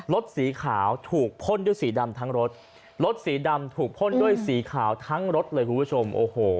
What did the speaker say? รถสีขาวถูกพ่นด้วยสีดำทั้งรถรถสีดำถูกพ่นด้วยสีขาวทั้งรถเลยคุณผู้ชมโอ้โห